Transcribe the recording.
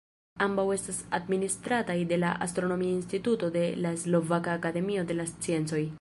Ambaŭ estas administrataj de la Astronomia instituto de la Slovaka akademio de la sciencoj.